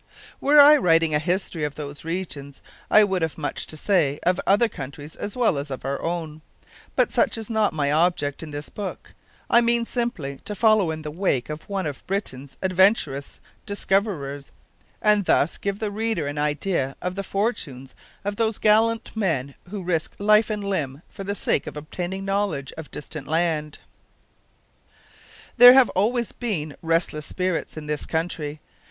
Were I writing a history of those regions I would have much to say of other countries as well as of our own. But such is not my object in this book. I mean simply to follow in the wake of one of Britain's adventurous discoverers, and thus give the reader an idea of the fortunes of those gallant men who risk life and limb for the sake of obtaining knowledge of distant lands. There have always been restless spirits in this country.